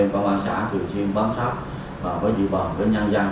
công an xã thường xuyên bám sát với dự báo với nhân dân